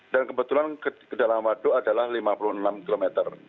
dan kebetulan ke dalam waduk adalah lima puluh enam km